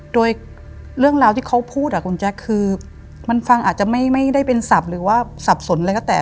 โดยเรื่องราวที่เขาพูดอ่ะคุณแจ๊คคือมันฟังอาจจะไม่ได้เป็นศัพท์หรือว่าสับสนอะไรก็แต่